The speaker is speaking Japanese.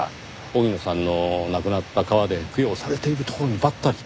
荻野さんの亡くなった川で供養されているところにばったり。